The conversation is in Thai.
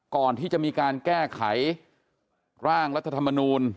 ก่อนที่จะมีการแก้ไขร่างรัฐธรรมนูล